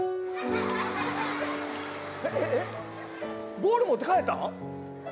ボール持って帰ったん？